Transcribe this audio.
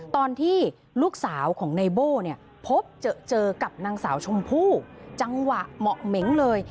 ตอนที่ลูกสาวของในโบ้เนี่ยพบเจอกับนางสาวชมพู่จังหวะเหมาะเหม็งเลย